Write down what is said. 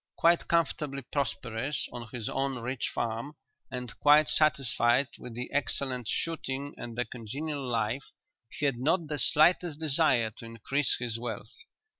Quite comfortably prosperous on his own rich farm, and quite satisfied with the excellent shooting and the congenial life, he had not the slightest desire to increase his wealth.